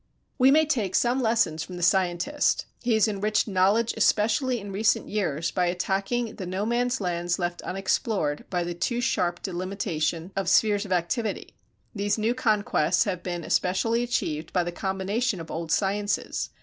We may take some lessons from the scientist. He has enriched knowledge especially in recent years by attacking the no man's lands left unexplored by the too sharp delimitation of spheres of activity. These new conquests have been especially achieved by the combination of old sciences.